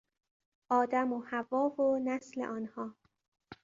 آدم و حوا و نسل آنها